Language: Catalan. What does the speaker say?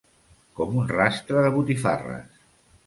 Com un rastre de botifarres.